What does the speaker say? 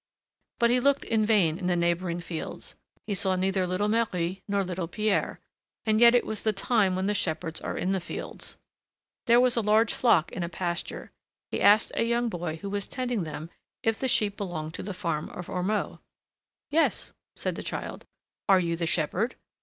But he looked in vain in the neighboring fields, he saw neither little Marie nor little Pierre; and yet it was the time when the shepherds are in the fields. There was a large flock in a pasture; he asked a young boy who was tending them if the sheep belonged to the farm of Ormeaux. "Yes," said the child. "Are you the shepherd?